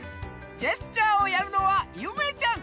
ジェスチャーをやるのはゆめちゃん。